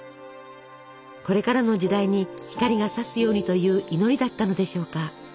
これからの時代に光がさすようにという祈りだったのでしょうか。